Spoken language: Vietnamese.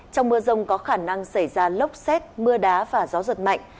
trong mưa rông có khả năng xảy ra lốc xét mưa đá và gió giật mạnh